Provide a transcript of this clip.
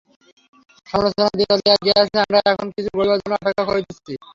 সমালোচনার দিন চলিয়া গিয়াছে, আমরা এখন কিছু গড়িবার জন্য অপেক্ষা করিতেছি।